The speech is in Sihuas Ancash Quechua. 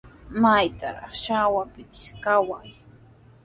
Maytraw chaytrawpis kawan.